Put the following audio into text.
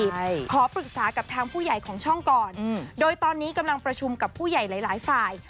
ใช่ขอปรึกษากับทางผู้ใหญ่ของช่องก่อนอืมโดยตอนนี้กำลังประชุมกับผู้ใหญ่หลายหลายฝ่าย